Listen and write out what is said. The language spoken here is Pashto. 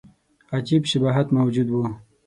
عجیب شباهت موجود وو.